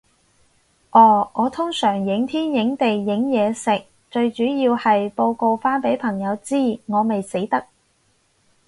哦，我通常影天影地影嘢食，最主要係報告返畀朋友知，我未死得